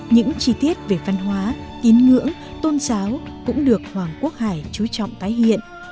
những chi tiết về văn hóa kín ngưỡng tôn giáo cũng được hoàng quốc hải trú trọng tái hiện